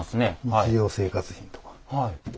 日用生活品とか。